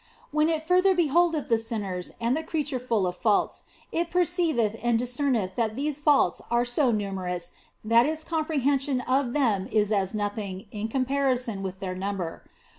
When it further beholdeth the sinners and the creature full of faults, it perceiveth and discerneth that these faults are so numerous that its com prehension of them is as nothing in comparison with their number.